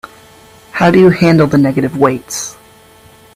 How do you handle the negative weights?